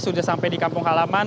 sudah sampai di kampung halaman